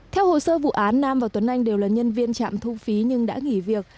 theo hồ sơ vụ án nam và tuấn anh đều là nhân viên trạm thu phí nhưng đã nghỉ việc